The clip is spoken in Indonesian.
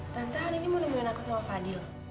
tante an ini mau nemuin aku sama fadil